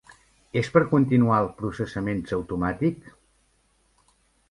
És per continuar el processaments automàtic?